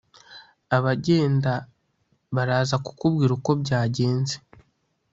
Abagenda baraza kukubwira uko byagenze